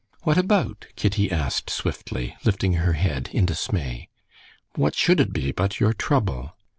"What about?" Kitty asked swiftly, lifting her head in dismay. "What should it be, but your trouble?"